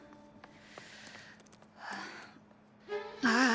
ああ。